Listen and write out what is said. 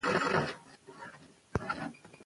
که مورنۍ ژبه وي نو په زده کړه کې وېره نه راځي.